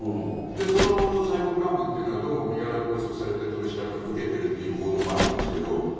その最高幹部というのはどうも身柄を拘束されて取り調べも受けているという報道もあるんですけど。